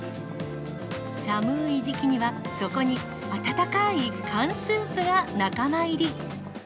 さむーい時期には、そこに温かーい缶スープが仲間入り。